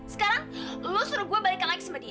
sekarang lo suruh gue balikan lagi seperti dia